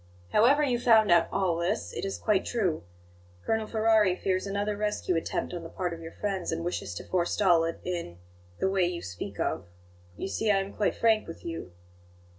"However you found out all this, it is quite true. Colonel Ferrari fears another rescue attempt on the part of your friends, and wishes to forestall it in the way you speak of. You see, I am quite frank with you."